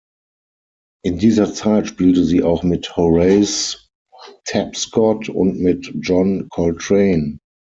In dieser Zeit spielte sie auch mit Horace Tapscott und mit John Coltrane.